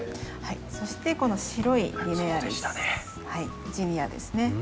そしてこの白いリネアリスジニアですね。